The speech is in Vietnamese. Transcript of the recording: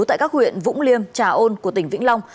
tại các huyện vũng liêm trà ôn của tỉnh vĩnh long